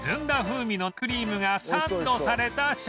風味のクリームがサンドされた商品